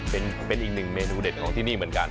เป็นอีกหนึ่งเมนูเด็ดของที่นี่เหมือนกัน